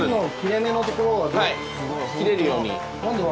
はい切れるように。